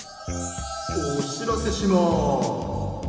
・おしらせします。